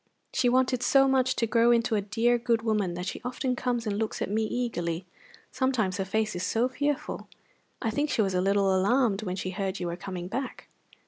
She wanted so much to grow into a dear, good woman that she often comes and looks at me eagerly. Sometimes her face is so fearful! I think she was a little alarmed when she heard you were coming back."